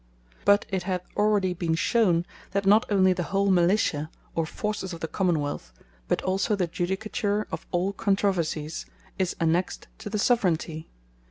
But it hath already been shown, that not onely the whole Militia, or forces of the Common wealth; but also the Judicature of all Controversies, is annexed to the Soveraignty.